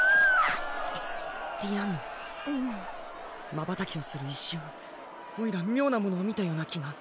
瞬きをする一瞬おいら妙なものを見たような気が。